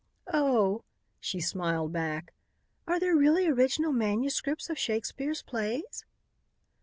"Oh," she smiled back, "are there really original manuscripts of Shakespeare's plays?"